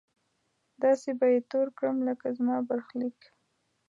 داسې به يې تور کړم لکه زما برخليک!